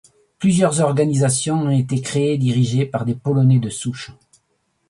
Plusieurs organisations ont été créées et dirigées par des Polonais de souche.